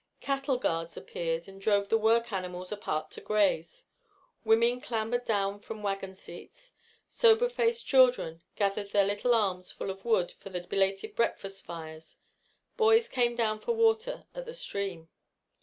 Cattle guards appeared and drove the work animals apart to graze. Women clambered down from wagon seats. Sober faced children gathered their little arms full of wood for the belated breakfast fires; boys came down for water at the stream.